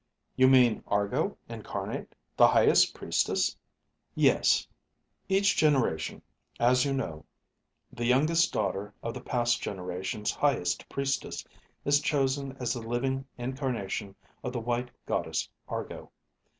"You mean Argo incarnate? The highest priestess?" "Yes. Each generation, as you know, the youngest daughter of the past generation's highest priestess is chosen as the living incarnation of the white Goddess Argo.